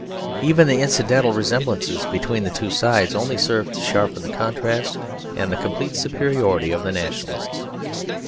Even the incidental resemblances between the two sides only served to sharpen the contrast and the complete superiority of the nationalists.